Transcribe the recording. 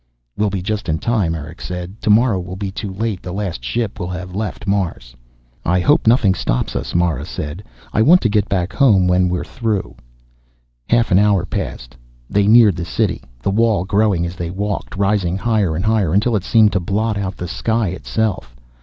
"We'll be just in time," Erick said. "Tomorrow will be too late. The last ship will have left Mars." "I hope nothing stops us," Mara said. "I want to get back home when we're through." Half an hour passed. They neared the City, the wall growing as they walked, rising higher and higher until it seemed to blot out the sky itself.